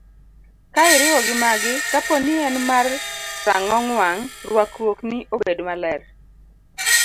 Ka iriwo gi magi, kapo ni en mar rang'ong wang', rwakruokni obed maler.